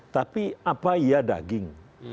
tapi apa ya daging